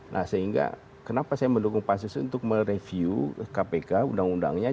nah sehingga kenapa saya mendukung pansus untuk mereview kpk undang undangnya